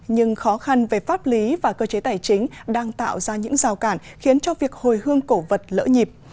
nhưng khó khăn về pháp lý và cơ chế tài chính đang tạo ra những rào cản khiến cho việc hồi hương cổ vật lỡ nhịp